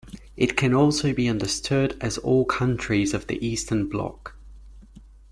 It can be also understood as all countries of the Eastern Bloc.